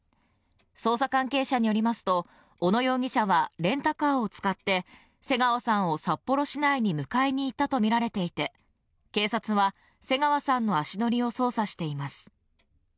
捜査関係者によりますと小野容疑者はレンタカーを使って瀬川さんを札幌市内に迎えに行ったと見られていて警察は瀬川さんの足取りを捜査しています